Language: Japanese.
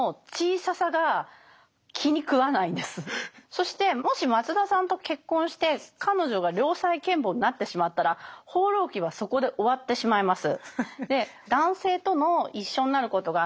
そしてもし松田さんと結婚して彼女が良妻賢母になってしまったら「放浪記」はそこで終わってしまいます。